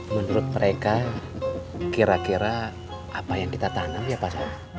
menurut mereka kira kira apa yang kita tanam ya pada